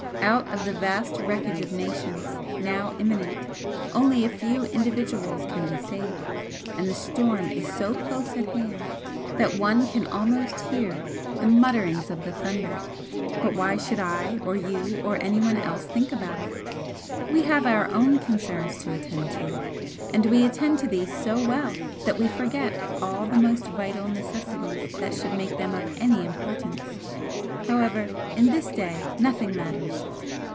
Out of the vast wreckage of nations, now imminent, only a few individuals can be saved, and the storm is so close at hand that one can almost hear the mutterings of the thunder! But why should I or you or anyone else think about it? We have our own concerns to attend to and we attend to these so well that we forget all the most vital necessities that should make them of any importance! However in this day nothing matters!